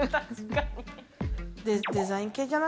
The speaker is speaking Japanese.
デザイン系じゃない？